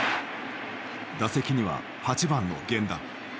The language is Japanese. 打席には８番の源田。